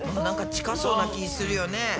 なんか近そうな気するよね。